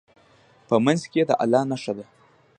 په منځ کې یې د الله نښه ده.